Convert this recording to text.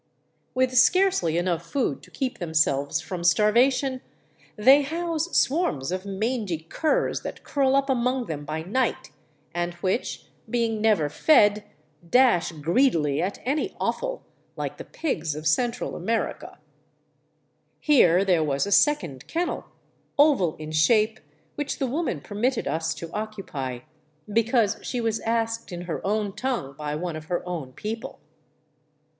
With scarcely enough food to keep themselves from starvation, they house swarms of mangy curs that curl up among them by night, and which, being never i'ed, dash greedily at any offal, like the pigs of Central America. Here there was a second kennel, oval in shape, which the woman permitted lis to occupy, because she was asked in her own tongue by one of her own people.